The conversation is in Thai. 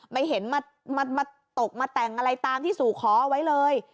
ไม่เห็นมาตกมาแต่งอะไรตามที่สู่ขอเอาไว้เลย